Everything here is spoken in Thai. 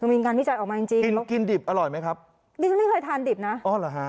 คือมีการวิจัยออกมาจริงจริงกินแล้วกินดิบอร่อยไหมครับดิฉันไม่เคยทานดิบนะอ๋อเหรอฮะ